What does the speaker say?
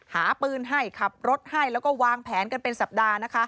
หาปืนให้ขับรถให้แล้วก็วางแผนกันเป็นสัปดาห์นะคะ